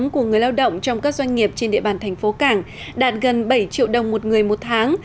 của người lao động trong các doanh nghiệp trên địa bàn thành phố cảng đạt gần bảy triệu đồng một người một tháng